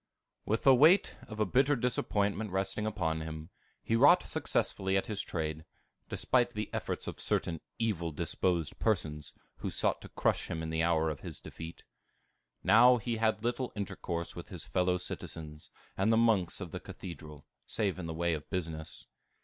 With the weight of a bitter disappointment resting upon him, he wrought successfully at his trade, despite the efforts of certain evil disposed persons, who sought to crush him in the hour of his defeat. Now he had little intercourse with his fellow citizens and the monks of the Cathedral, save in the way of business.